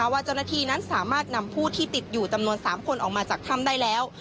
ว่าเจ้าหน้าที่นั้นสามารถนำผู้ที่ติดอยู่จำนวน๓คนออกมาจากถ้ำได้แล้ว